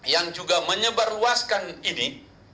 yang juga menyebarluaskan ini